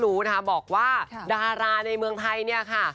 รู้นะคะบอกว่าดาราในเมืองไทยเนี่ยค่ะ